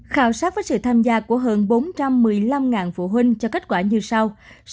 khảo sát với sự tham gia của hơn bốn trăm một mươi năm phụ huynh cho kết quả như sau